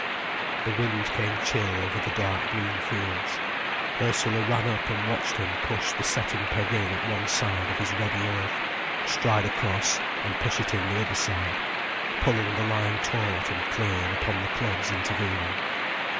The wind came chill over the dark green fields. Ursula ran up and watched him push the setting peg in at one side of his ready earth, stride across, and push it in the other side, pulling the line taut and clear upon the clods intervening.